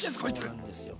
そうなんですよ。